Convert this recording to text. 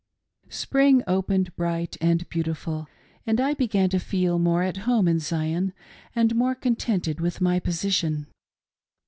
SPRING opened bright and beautiful, and I began to feel more at home in Zion and more contented with my posi tion.